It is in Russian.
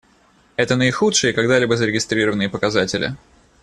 Это наихудшие когда-либо зарегистрированные показатели.